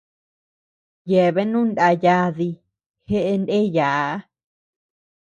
Yebeanu naa yaadi jeʼe ndeyaa.